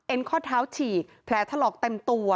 เอ็นข้อเท้าฉีกแผลทะเลาะเต็มตัว